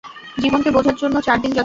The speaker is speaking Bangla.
জীবনকে বোঝার জন্য চার দিন যথেষ্ট।